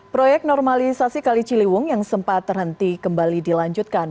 proyek normalisasi kali ciliwung yang sempat terhenti kembali dilanjutkan